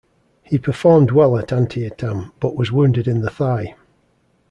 He performed well at Antietam, but was wounded in the thigh.